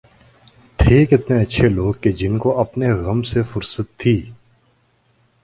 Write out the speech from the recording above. تھے کتنے اچھے لوگ کہ جن کو اپنے غم سے فرصت تھی